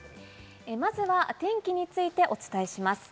まずは天気についてお伝えします。